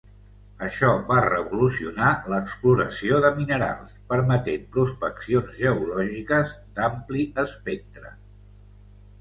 Això va revolucionar l'exploració de minerals permetent prospeccions geològiques d'ampli espectre.